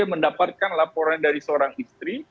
mendapatkan laporan dari seorang istri